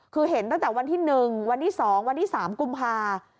คือเห็นตั้งแต่วันที่๑วันที่๒วันที่๓กุมภา